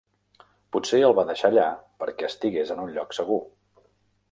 Potser el va deixar allà perquè estigués en un lloc segur.